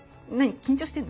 緊張してんの？